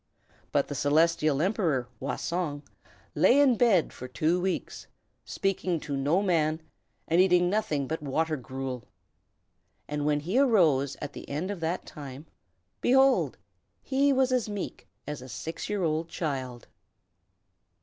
But the Celestial Emperor, Wah Song, lay in bed for two weeks, speaking to no man, and eating nothing but water gruel. And when he arose, at the end of that time, behold! he was as meek as a six years old child.